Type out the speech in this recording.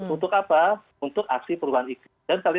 untuk apa untuk aksi perubahan iklim